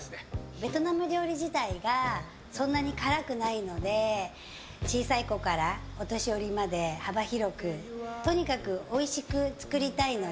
ベトナム料理自体がそんなに辛くないので小さい子からお年寄りまで幅広くとにかくおいしく作りたいので。